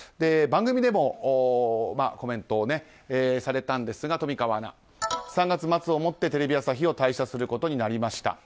番組でもコメントをされたんですが富川アナ、３月末をもってテレビ朝日を退社することになりました。